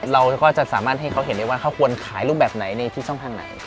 เราก็จะสามารถให้เขาเห็นได้ว่าเขาควรขายรูปแบบไหนในที่ช่องทางไหน